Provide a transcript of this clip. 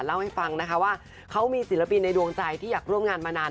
เล่าให้ฟังนะคะว่าเขามีศิลปินในดวงใจที่อยากร่วมงานมานาน